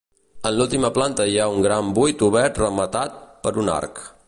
En l'última planta hi ha un gran buit obert rematat per un arc.